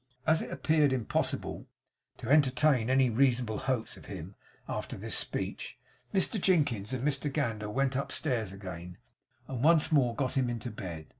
As it appeared impossible to entertain any reasonable hopes of him after this speech, Mr Jinkins and Mr Gander went upstairs again, and once more got him into bed.